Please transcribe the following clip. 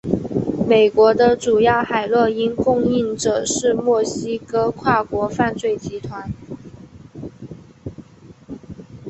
美国的主要海洛因供应者是墨西哥跨国犯罪集团。